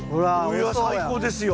いや最高ですよ。